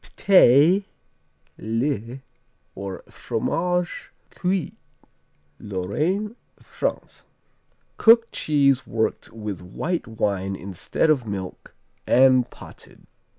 P'teux, le, or Fromage Cuit Lorraine, France Cooked cheese worked with white wine instead of milk, and potted.